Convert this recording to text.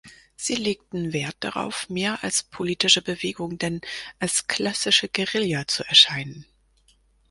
Sie legten Wert darauf, mehr als politische Bewegung denn als klassische Guerilla zu erscheinen.